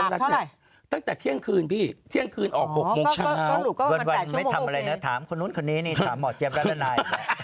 แล้วก็เจ๊ฟมันก็ไม่นอนอ่ะ